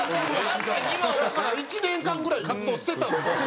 １年間ぐらい活動してたんですよ。